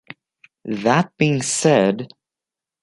That being said...